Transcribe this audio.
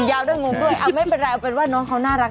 ยาวด้วยงงด้วยไม่เป็นไรเอาเป็นว่าน้องเขาน่ารัก